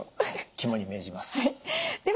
肝に銘じます。